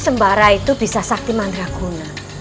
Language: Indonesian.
si sembara itu bisa sakti mandraguna